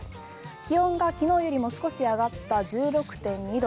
気温が昨日よりも少し上がった１６．２度。